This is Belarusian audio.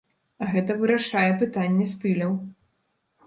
А гэта вырашае пытанне стыляў.